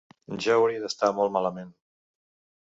Jo hauria d’estar molt malament.